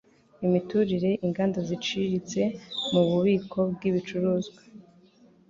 Imiturire, inganda ziciriritse n'ububiko bw'ibicuruzwa